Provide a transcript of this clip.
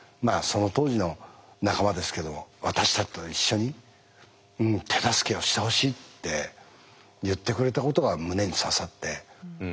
その当時の仲間ですけど私たちと一緒に手助けをしてほしいって言ってくれたことが胸に刺さって。